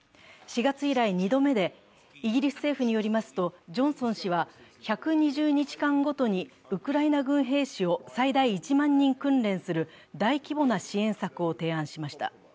４月以来２度目で、イギリス政府によりますとジョンソン氏は、１２０日間ごとにウクライナ軍兵士を最大１万人訓練する大規模な支援策を提案しました。